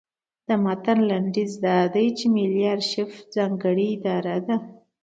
د متن لنډیز دا دی چې ملي ارشیف ځانګړې اداره ده.